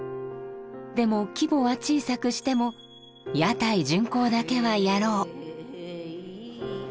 でも規模は小さくしても屋台巡行だけはやろう。